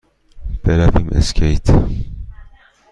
برویم اسکیت؟